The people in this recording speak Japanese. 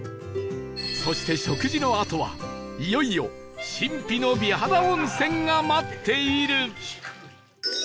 そして食事のあとはいよいよ神秘の美肌温泉が待っている